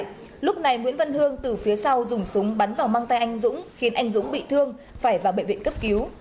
lúc này nguyễn văn hương từ phía sau dùng súng bắn vào mang tay anh dũng khiến anh dũng bị thương phải vào bệnh viện cấp cứu